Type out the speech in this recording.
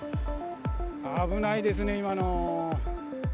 危ないですね、今の。